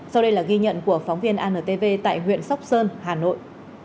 sau đây là ghi nhận của phóng viên antv tại huyện sóc sơn hà nội